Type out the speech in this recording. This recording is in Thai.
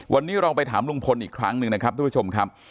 วันนี้เราไปถามลุงพลอีกครั้งหนึ่งนะครับทุกผู้ชมครับ